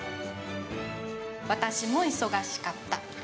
私も忙しかった。